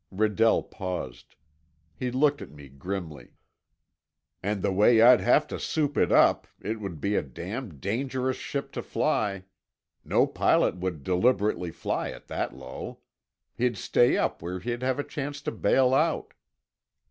Redell paused. He looked at me grimly. "And the way I'd have to soup it up, it would be a damned dangerous ship to fly. No pilot would deliberately fly it that low. He'd stay up where he'd have a chance to bail out."